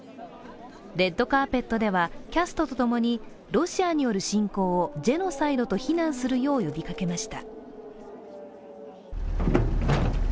レッドカーペットではキャストと共にロシアによる侵攻をジェノサイドと非難するよう呼びかけました。